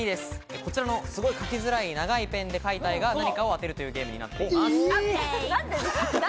こちらのすごい描きづらい長いペンで描いた絵が何かを当てるゲームです。